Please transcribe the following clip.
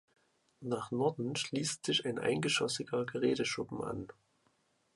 Nach Norden schließt sich ein eingeschossiger Geräteschuppen an.